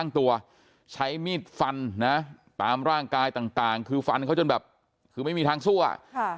ตามร่างกายต่างคือฟันเขาจนแบบคือไม่มีทางสู้อะ